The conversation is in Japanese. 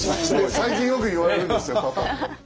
最近よく言われるんですよパパって。